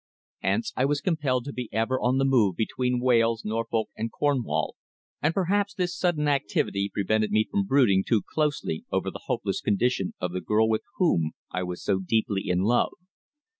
Hence I was compelled to be ever on the move between Wales, Norfolk, and Cornwall, and perhaps this sudden activity prevented me from brooding too closely over the hopeless condition of the girl with whom I was so deeply in love.